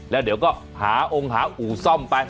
แล้วเดี๋ยวก็หาองค์หาอู่ซ่อมไป